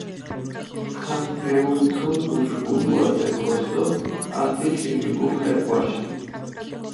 ქაქ გეურთუნ უჩქუდუ ათე კოს დო ართი ქიმიგუ ხე ჸვაშა.